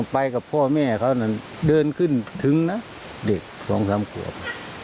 พี่แม่เขานั้นเดินขึ้นถึงนะเด็ก๒๓ขวบ